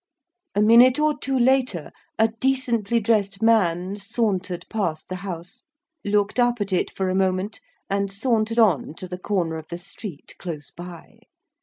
A minute or two later, a decently dressed man sauntered past the house, looked up at it for a moment, and sauntered on to the corner of the street close by.